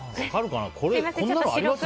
こんなのあります？